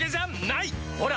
ほら！